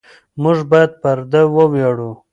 موږ باید پر ده وویاړو.